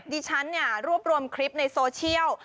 ดิฉันเนี่ยรวบรวมคลิปในโซเชียล